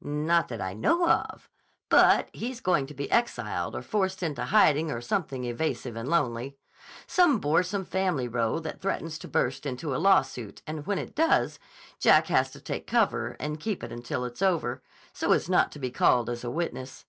"Not that I know of. But he's going to be exiled or forced into hiding or something evasive and lonely. Some boresome family row that threatens to burst into a lawsuit, and when it does, Jack has to take cover and keep it until it's over, so as not to be called as a witness.